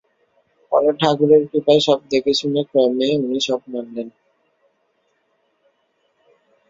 পরে ঠাকুরের কৃপায় সব দেখে শুনে ক্রমে উনি সব মানলেন।